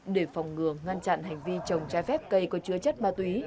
để phòng ngừa ngăn chặn hành vi trồng trái phép cây có chứa chất ma túy